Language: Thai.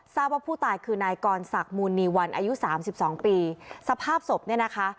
ทราบว่าผู้ตายคือนายกรศักดิ์มูลนีวันอายุสามสิบสองปีสภาพศพเนี่ยนะคะ